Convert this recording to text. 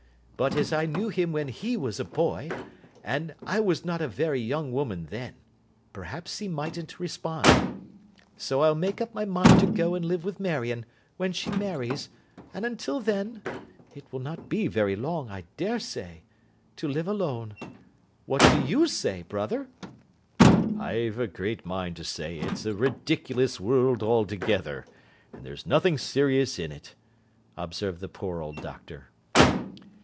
But as I knew him when he was a boy, and I was not a very young woman then, perhaps he mightn't respond. So I'll make up my mind to go and live with Marion, when she marries, and until then (it will not be very long, I dare say) to live alone. What do you say, Brother?' 'I've a great mind to say it's a ridiculous world altogether, and there's nothing serious in it,' observed the poor old Doctor.